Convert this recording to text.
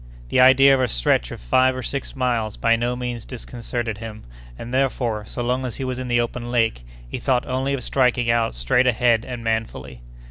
The idea of a stretch of five or six miles by no means disconcerted him; and therefore, so long as he was in the open lake, he thought only of striking out straight ahead and manfully.